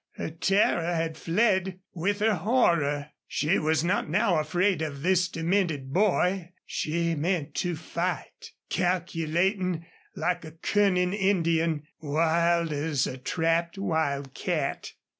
Her terror had fled with her horror. She was not now afraid of this demented boy. She meant to fight, calculating like a cunning Indian, wild as a trapped wildcat.